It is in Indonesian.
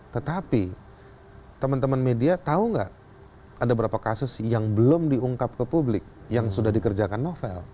tetapi teman teman media tahu nggak ada berapa kasus yang belum diungkap ke publik yang sudah dikerjakan novel